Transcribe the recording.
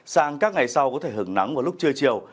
sang các ngày sau có thể hứng nắng vào lúc trưa chiều